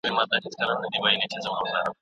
د کوم ماشوم په لاس «هغې» ته لیږي